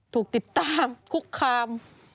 ถูกติดตามคุกคาม